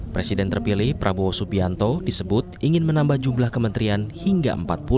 presiden terpilih prabowo subianto disebut ingin menambah jumlah kementerian hingga empat puluh